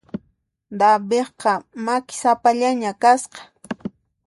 Davidqa makisapallaña kasqa.